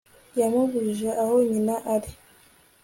Yamubajije aho nyina ari